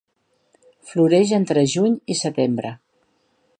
Floreix entre juny i setembre.